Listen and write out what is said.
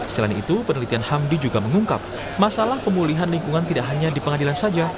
selain itu penelitian hamdi juga mengungkap masalah pemulihan lingkungan tidak hanya di pengadilan saja